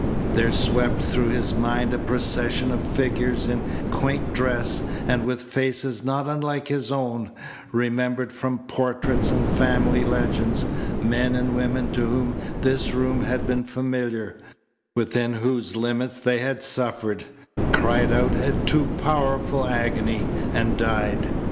There swept through his mind a procession of figures in quaint dress and with faces not unlike his own, remembered from portraits and family legends, men and women to whom this room had been familiar, within whose limits they had suffered, cried out a too powerful agony, and died.